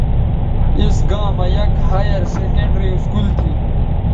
اِس گاں مہ یک ہائیر سیکنڈری سکول تھی